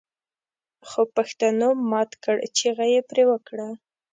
خوپښتنو مات کړ چيغه يې پرې وکړه